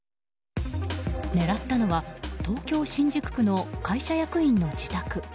狙ったのは東京・新宿区の会社役員の自宅。